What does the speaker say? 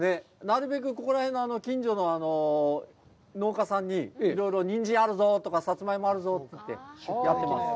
なるべくここら辺の近所の農家さんにいろいろ、ニンジンあるぞとか、サツマイモあるぞとかって、やってます。